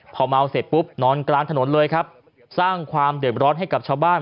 พอเมาเสร็จปุ๊บนอนกลางถนนเลยครับสร้างความเด็บร้อนให้กับชาวบ้าน